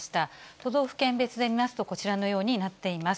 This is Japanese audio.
都道府県別で見ますと、こちらのようになっています。